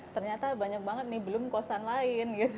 ternyata banyak banget nih belum kosan lain gitu